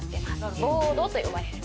ボードと呼ばれる。